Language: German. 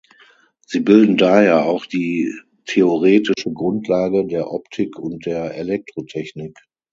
Sie bilden daher auch die theoretische Grundlage der Optik und der Elektrotechnik.